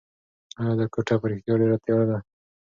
ایا دا کوټه په رښتیا ډېره تیاره ده؟